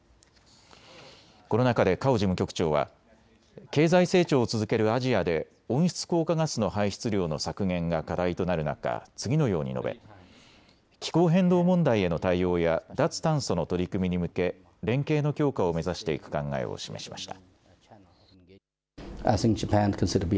この中でカオ事務局長は経済成長を続けるアジアで温室効果ガスの排出量の削減が課題となる中、次のように述べ気候変動問題への対応や脱炭素の取り組みに向け連携の強化を目指していく考えを示しました。